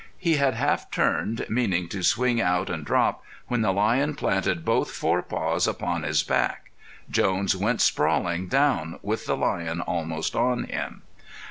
He had half turned, meaning to swing out and drop, when the lion planted both forepaws upon his back. Jones went sprawling down with the lion almost on him.